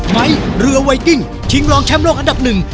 ไม้เรือไวกิ้งชิงรองแชมป์โลกอันดับหนึ่ง